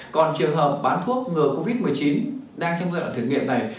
còn trường hợp bán thuốc ngừa covid một mươi chín đang trong giai đoạn thử nghiệm này